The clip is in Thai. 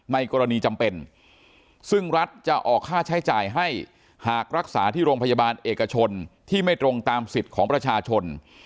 ในกรณีจำเป็นซึ่งรัฐจะออกค่าใช้จ่ายให้หากรักษาที่โรงพยาบาลเอกชนที่ไม่ตรงตามสิทธิ์ของประชาชน